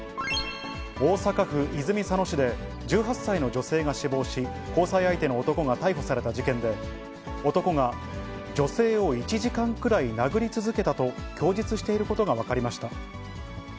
大阪府泉佐野市で、１８歳の女性が死亡し、交際相手の男が逮捕された事件で、男が、女性を１時間くらい殴り続けたと供述していることが分かりました。